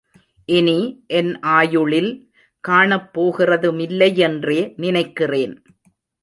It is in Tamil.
இனி என் ஆயுளில் காணப்போகிறதுமில்லையென்றே நினைக்கிறேன்.